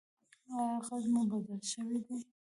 ایا غږ مو بدل شوی دی؟